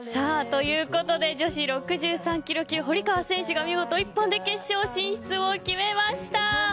ということで女子６３ｋｇ級・堀川選手が見事一本で決勝進出を決めました。